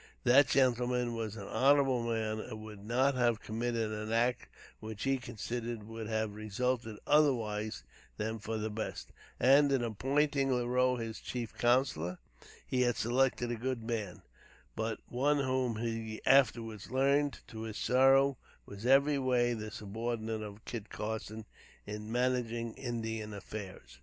That gentleman was an honorable man, and would not have committed an act which he considered would have resulted otherwise than for the best; and, in appointing Leroux his chief counsellor, he had selected a good man, but, one whom he afterwards learned, to his sorrow, was every way the subordinate of Kit Carson in managing Indian affairs.